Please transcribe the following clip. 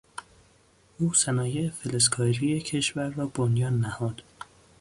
او صنایع فلزکاری کشور را بنیاد نهاد.